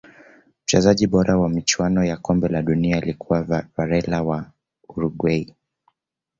mchezaji bora wa michuano ya kombe la dunia alikuwa varela wa Uruguay